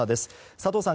佐藤さん